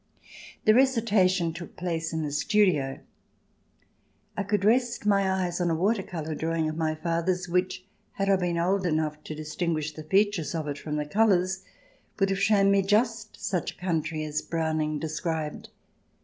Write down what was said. The recitation took place in the studio ; I could rest my eyes on a water colour drawing of my father's, which, had I been old enough to dis tinguish the features of it from the colours, would have shown me just such a country as Browning described.